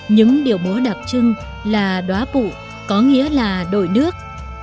những điệu múa đặc trưng là đoá bụ có nghĩa là đổi nước